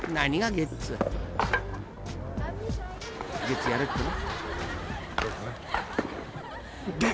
［ゲッツやるっての？］